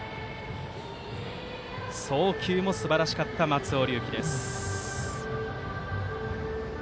送球もすばらしかった松尾龍樹です。